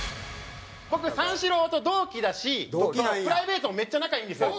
僕三四郎と同期だしプライベートもめっちゃ仲いいんですよ。